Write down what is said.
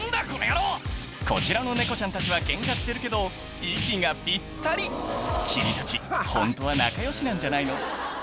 こちらの猫ちゃんたちはケンカしてるけど息がぴったり君たちホントは仲よしなんじゃないの？